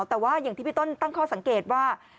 แต่ว่าอย่างที่พี่ต้นตั้งข้อสังเกตว่า